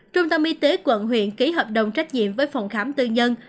trung tâm y tế quận huyện ký hợp đồng trách nhiệm với phòng khám tư nhân